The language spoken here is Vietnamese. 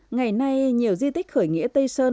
ngày nay nhiều di tích khởi nghĩa tây sơn